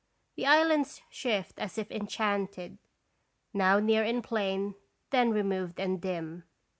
The islands shift as if enchanted, now near and plain, then re moved and dim.